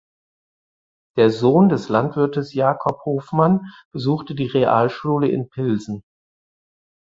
Der Sohn des Landwirtes Jakob Hofmann besuchte die Realschule in Pilsen.